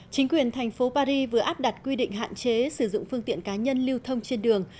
chính quyền thành phố paris vừa áp đặt quy định hạn chế sử dụng phương tiện cá nhân lưu thông trên đường